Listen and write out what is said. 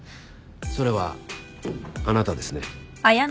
それはあなたですね。